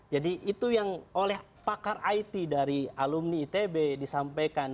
jadi itu yang oleh pakar it dari alumni itb disampaikan